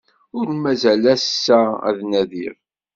Ur mazal ass-a ad nadiɣ.